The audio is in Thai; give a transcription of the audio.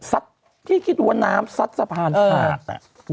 ซัดที่คิดว่าน้ำซัดสะพานถูก